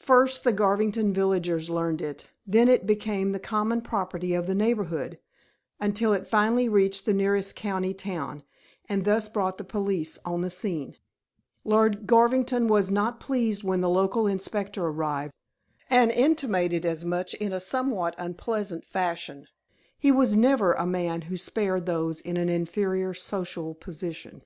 First, the Garvington villagers learned it; then it became the common property of the neighborhood, until it finally reached the nearest county town, and thus brought the police on the scene. Lord Garvington was not pleased when the local inspector arrived, and intimated as much in a somewhat unpleasant fashion. He was never a man who spared those in an inferior social position.